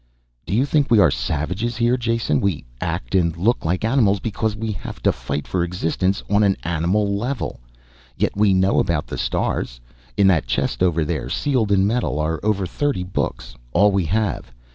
"Do you think we are savages here, Jason? We act and look like animals because we have to fight for existence on an animal level. Yet we know about the stars. In that chest over there, sealed in metal, are over thirty books, all we have.